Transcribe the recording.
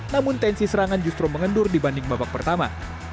namun tensi serangan justru mengendur dibanding babak pertama